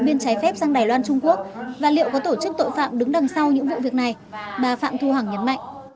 đưa người dư cư trái phép sang đài loan trung quốc và liệu có tổ chức tội phạm đứng đằng sau những vụ việc này bà phạm thu hoàng nhấn mạnh